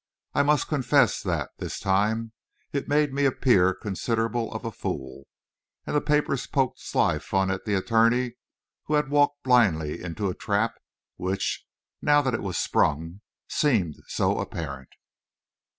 I must confess that, this time, it made me appear considerable of a fool, and the papers poked sly fun at the attorney who had walked blindly into a trap which, now that it was sprung, seemed so apparent.